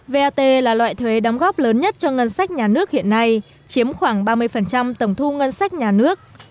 vat là loại thuế đóng góp lớn nhất cho ngân sách nhà nước hiện nay chiếm khoảng ba mươi tổng thu ngân sách nhà nước